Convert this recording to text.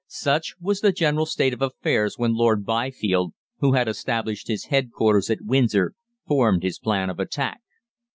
Such was the general state of affairs when Lord Byfield, who had established his headquarters at Windsor, formed his plan of attack.